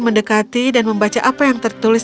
mendekati dan membaca apa yang tertulis